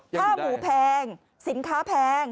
ข้าวหมูแพงสินค้าแพง